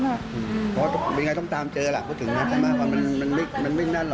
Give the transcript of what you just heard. เพราะว่าเป็นยังไงต้องตามเจอแหละก็ถึงนะมันไม่นั่นหรอก